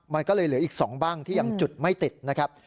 มันก็เลยเหลืออีก๒บ้างที่ยังจุดไม่ติดนะครับ